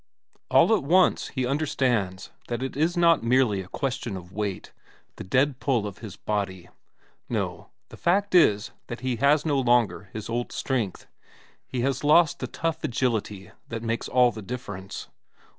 All at once he understands that it is not merely a question of weight, the dead pull of his body; no, the fact is that he has no longer his old strength, he has lost the tough agility that makes all the difference.